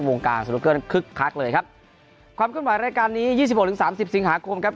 วงการเลยครับความคุ้นหวายรายการนี้ยี่สิบหกหรือสามสิบสิบหาคมครับ